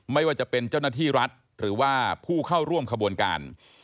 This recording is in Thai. ไม่ว่าจะเป็นเจ้าหน้าที่รัฐหรือว่าผู้เข้าร่วมขบวนการ